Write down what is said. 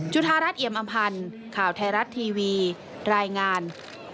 รัฐเอียมอำพันธ์ข่าวไทยรัฐทีวีรายงาน